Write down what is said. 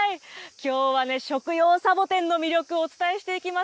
きょうは食用サボテンの魅力をお伝えしていきます。